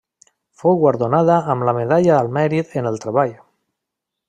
Fou guardonada amb la medalla al Mèrit en el Treball.